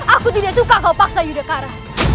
aku tidak suka kau paksa yudhacara